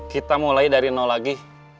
kita mulai dari nol lagi